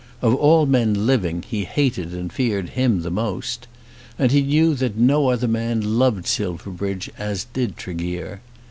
Of all men living he hated and feared him the most. And he knew that no other man loved Silverbridge as did Tregear.